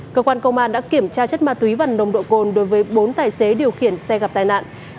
cơ quan công an đã kiểm tra chất ma túy và nồng độ cồn đối với bốn tài xế điều khiển xe gặp tai nạn